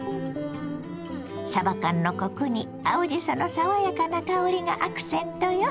さば缶のコクに青じその爽やかな香りがアクセントよ。